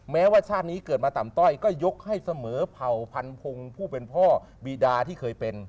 แม้ว่าชาตินี้เกิดมาต่ำต้อยก็ยกให้เสมอเผ่าพันพงศ์ผู้เป็นพ่อบีดาที่เคยเป็น